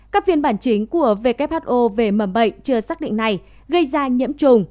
các phiên bản chính của who về mầm bệnh chưa xác định này gây ra nhiễm trùng